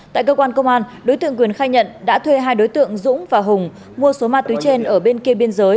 tại cơ quan công an đối tượng quyền khai nhận đã thuê hai đối tượng dũng và hùng mua số ma túy trên ở bên kia biên giới